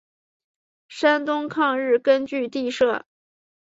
山东抗日根据地设。